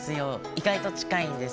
意外と近いんです。